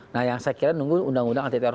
nah yang saya kira nunggu undang undang anti teroris